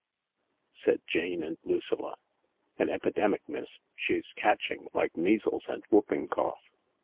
If F *' said Jane and Lucilla. "An epidemic, miss— she's catching, like measles and whooping cough.